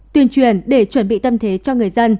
tuyên truyền để chuẩn bị tâm thế cho người dân